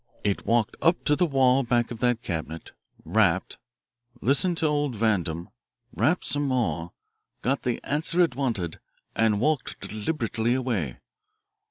It walked up to the wall back of that cabinet, rapped, listened to old Vandam, rapped some more, got the answer it wanted, and walked deliberately away.